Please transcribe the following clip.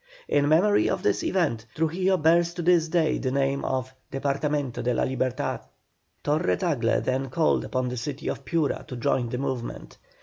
In memory of this event, Trujillo bears to this day the name of "Departamento de la Libertad." Torre Tagle then called upon the city of Piura to join the movement.